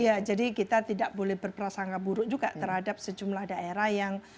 iya jadi kita tidak boleh berprasangka buruk juga terhadap sejumlah daerah yang